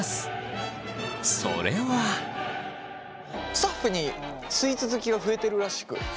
スタッフにスイーツ好きが増えてるらしく。